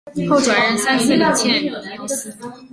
后转任三司理欠凭由司。